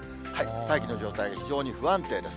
大気の状態、非常に不安定です。